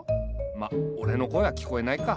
まっ俺の声は聞こえないか。